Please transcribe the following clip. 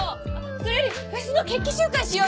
それよりフェスの決起集会しようよ！